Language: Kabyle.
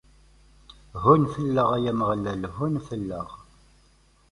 Ḥunn fell-aɣ, ay Ameɣlal, ḥunn fell-aɣ!